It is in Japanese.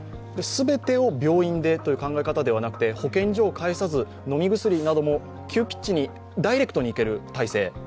全てを病院でという考え方ではなくて、保健所を介さず飲み薬などの急ピッチにダイレクトにいける体制